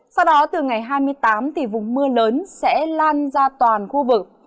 sau đó từ ngày hai mươi tám thì vùng mưa lớn sẽ lan ra toàn khu vực